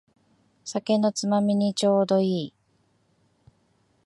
酒のつまみにちょうどいい